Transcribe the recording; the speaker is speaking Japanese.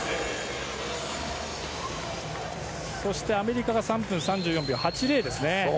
アメリカが３分３４秒８０ですね。